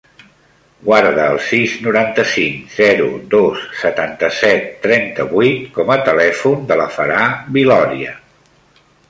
Guarda el sis, noranta-cinc, zero, dos, setanta-set, trenta-vuit com a telèfon de la Farah Viloria.